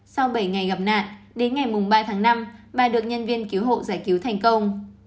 sau bảy ngày gặp nạn đến ngày ba tháng năm bà được nhân viên cứu hộ giải cứu thành công